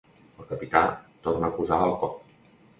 El capità torna a acusar el cop.